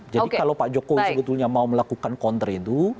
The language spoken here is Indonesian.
jadi kalau pak jokowi sebetulnya mau melakukan counter itu